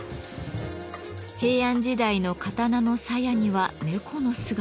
平安時代の刀の鞘には猫の姿が。